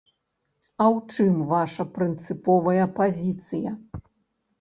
А ў чым ваша прынцыповая пазіцыя?